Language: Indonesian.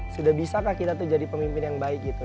sudah bisakah kita tuh jadi pemimpin yang baik gitu